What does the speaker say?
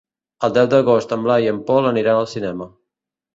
El deu d'agost en Blai i en Pol aniran al cinema.